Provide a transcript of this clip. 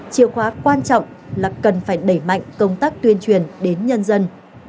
chiều khóa quan trọng là cần phải đẩy mạnh công tác tuyên truyền đến nhân dân